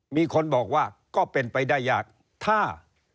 มีคนบอกว่าก็เป็นไปได้ยากถ้า